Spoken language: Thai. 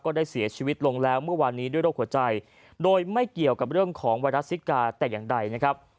ได้เสียชีวิตลงแล้วเมื่อวานนี้ด้วยโรคหัวใจโดยไม่เกี่ยวกับเรื่องของไวรัสซิกาแต่อย่างใดนะครับ